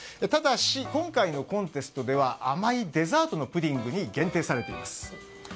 ただし今回のコンテストでは甘いデザートのプディングに限定されています。